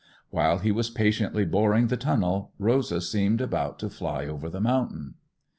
While he was patiently boring the tunnel Rosa seemed about to fly over the mountain.